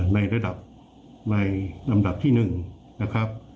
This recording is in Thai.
ในระดับในลำดับที่๑นะครับ